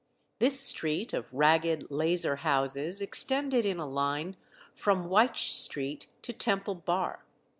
This street of ragged lazar houses extended in a line from Wych Street to Temple Bar.